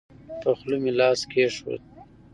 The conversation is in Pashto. په خوله مې لاس کېښود.